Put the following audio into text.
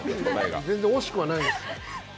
全然惜しくはないです。